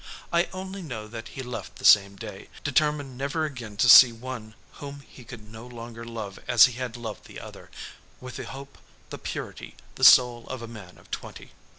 I only know that he left the same day, determined never again to see one whom he could no longer love as he had loved the other, with the hope, the purity, the soul of a man of twenty."